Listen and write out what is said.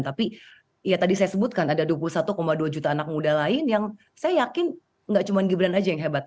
tapi ya tadi saya sebutkan ada dua puluh satu dua juta anak muda lain yang saya yakin nggak cuma gibran aja yang hebat